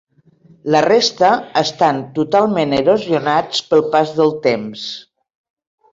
La resta estan totalment erosionats pel pas del temps.